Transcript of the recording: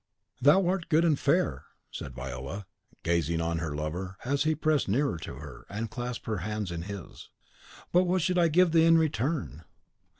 "Thou art good and fair," said Viola, gazing on her lover, as he pressed nearer to her, and clasped her hand in his; "but what should I give thee in return?"